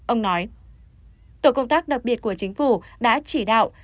ông nói tổ công tác đặc biệt của chính phủ đã chỉ đạo